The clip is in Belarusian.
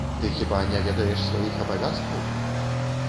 Ты хіба не ведаеш сваіх абавязкаў?